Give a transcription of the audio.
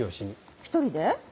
一人で？